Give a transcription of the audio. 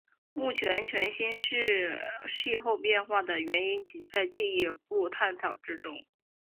目前全新世气候变化的原因仍在进一步探讨之中。